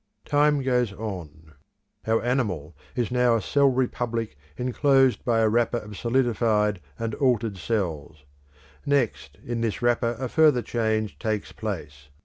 Time goes on. Our animal is now a cell republic enclosed by a wrapper of solidified and altered cells. Next, in this wrapper a further change takes place.